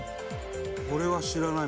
「これは知らない。